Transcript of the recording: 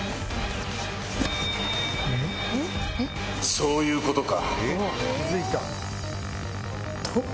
そういうことか